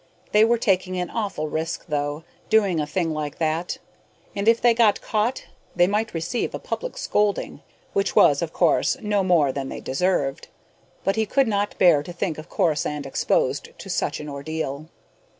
They were taking an awful risk, though, doing a thing like that. If they got caught, they might receive a public scolding which was, of course, no more than they deserved but he could not bear to think of Corisande exposed to such an ordeal.